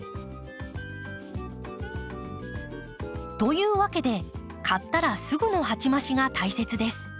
というわけで買ったらすぐの鉢増しが大切です。